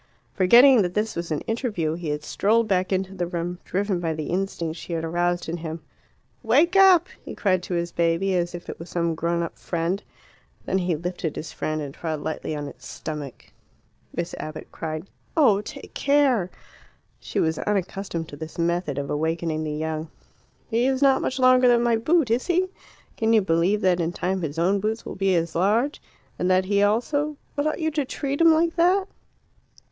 Forgetting that this was an interview, he had strolled back into the room, driven by the instinct she had aroused in him. "Wake up!" he cried to his baby, as if it was some grown up friend. Then he lifted his foot and trod lightly on its stomach. Miss Abbott cried, "Oh, take care!" She was unaccustomed to this method of awakening the young. "He is not much longer than my boot, is he? Can you believe that in time his own boots will be as large? And that he also " "But ought you to treat him like that?"